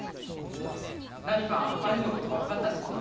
何か兄のことがわかったんですか？